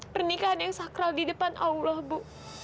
pernikahan yang sakral di depan allah bu